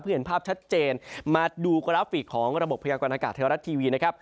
เพื่อเห็นภาพชัดเจนมาดูกราฟิกของระบบพยากรณากาศไทยรัฐทีวีนะครับ